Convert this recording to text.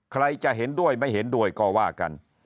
ใครจะเห็นด้วยไม่เห็นด้วยก็ว่ากัน